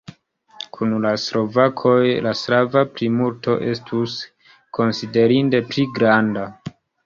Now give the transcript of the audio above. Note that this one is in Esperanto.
Kun la slovakoj la slava plimulto estus konsiderinde pli granda.